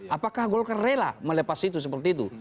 apakah golkar rela melepas itu seperti itu